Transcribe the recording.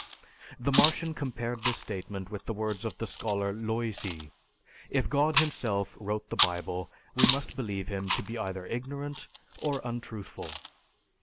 The Martian compared this statement with the words of the scholar Loisy, "If God himself wrote the Bible, we must believe Him to be either ignorant or untruthful."